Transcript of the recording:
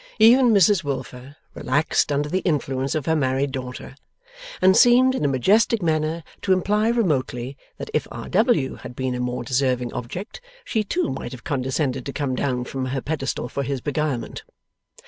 Even Mrs Wilfer relaxed under the influence of her married daughter, and seemed in a majestic manner to imply remotely that if R. W. had been a more deserving object, she too might have condescended to come down from her pedestal for his beguilement.